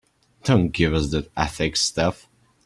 Don't give us that ethics stuff.